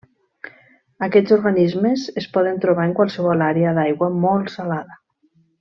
Aquests organismes es poden trobar en qualsevol àrea d'aigua molt salada.